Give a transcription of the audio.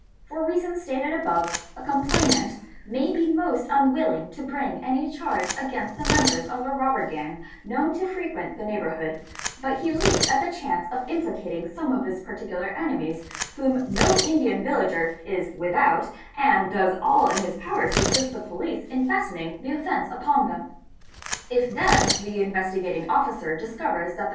For reasons stated above, a complainant may be most "'tnwilling to bring any charge against the members of the robber gang "known to frequent the neighbourhood, but he leaps at the chance of nplicating some of his particular enemies, whom no Indian villager is ithout, and does all in his power to assist the police in fastening the 760 THEFT offence upon them. If then the Investigating Officer discovers that the.